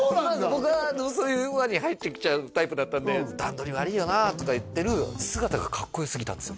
僕はそういう輪に入ってきちゃうタイプだったんで「段取り悪いよなあ」とか言ってる姿がかっこよすぎたんですよ